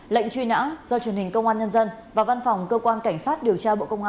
lệnh truy nã do truyền hình công an nhân dân và văn phòng cơ quan cảnh sát điều tra bộ công an phối hợp thực hiện